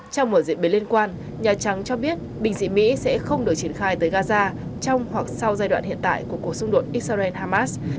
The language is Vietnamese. trong một diễn biến liên quan nhà trắng cho biết bình dị mỹ sẽ không được triển khai tới gaza trong hoặc sau giai đoạn hiện tại của cuộc xung đột israel hamas